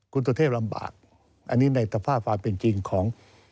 คุณสุเทพลำบากอันนี้ในสภาพความเป็นจริงของ